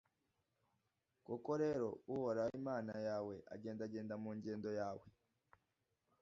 koko rero uhoraho imana yawe agendagenda mu ngando yawe,